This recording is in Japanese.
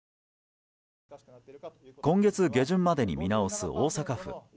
今月下旬までに見直す大阪府。